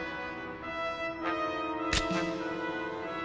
うん。